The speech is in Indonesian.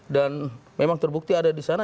dan memang terbukti ada di sana